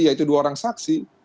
yaitu dua orang saksi